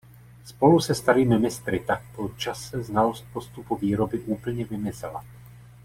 Spolu se starými mistry tak po čase znalost postupu výroby úplně vymizela.